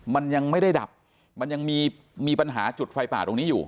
มันยังไม่ได้ดับมันยังมีปัญหาจุดไฟป่าตรงนี้อยู่